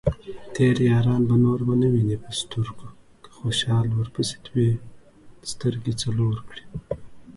تېر ياران به نور ؤنه وينې په سترګو ، که خوشال ورپسې دوې